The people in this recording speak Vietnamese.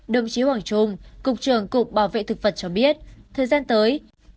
đồng chí hoàng trung cục trưởng cục bảo vệ thực vật cho biết thời gian tới